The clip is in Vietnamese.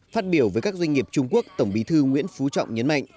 phát biểu với các doanh nghiệp trung quốc tổng bí thư nguyễn phú trọng nhấn mạnh